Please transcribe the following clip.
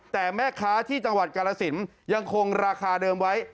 แต่แม่ค้าที่จังหวัดกาลสินยังคงราคาเดิมไว้